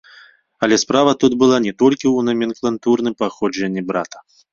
Але справа тут была не толькі ў наменклатурным паходжанні брата.